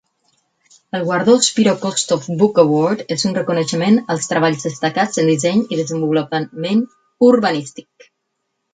El guardó "Spiro Kostof Book Award" és un reconeixement als treballs destacats en disseny i desenvolupament urbanístic.